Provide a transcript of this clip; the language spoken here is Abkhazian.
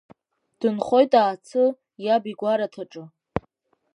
Дынхоит Аацы иаб игәараҭаҿы.